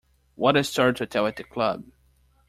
What a story to tell at the club.